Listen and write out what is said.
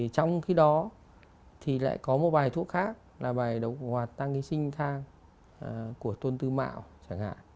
trong khi đó thì lại có một bài thuốc khác là bài độc hoạt tăng ký sinh thang của tôn tư mạo chẳng hạn